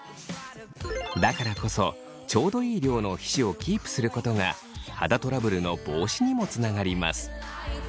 だからこそちょうどいい量の皮脂をキープすることが肌トラブルの防止にもつながります